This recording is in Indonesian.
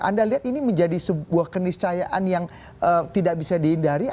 anda lihat ini menjadi sebuah keniscayaan yang tidak bisa dihindari